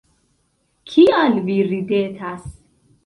Kial vi ridetas?